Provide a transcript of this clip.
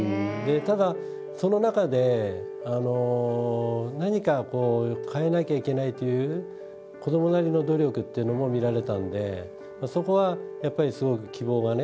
ただその中であの何かこう変えなきゃいけないっていう子どもなりの努力っていうのも見られたんでそこはやっぱりすごく希望がね